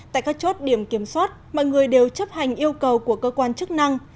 tại các chốt điểm kiểm soát mọi người đều chấp hành yêu cầu của cơ quan chức năng